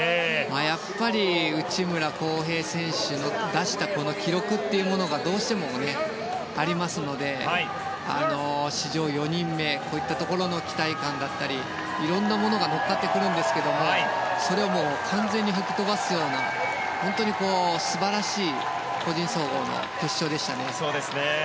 やっぱり内村航平選手の出した記録というものがどうしてもありますので史上４人目、こういったところの期待感だったりいろんなものがのっかってくるんですけれどもそれを完全に吹き飛ばすような本当に素晴らしい個人総合の決勝でしたね。